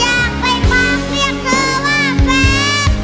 อยากไปฝากเรียกเธอว่าแฟน